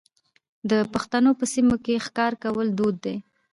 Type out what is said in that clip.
د پښتنو په سیمو کې ښکار کول دود دی.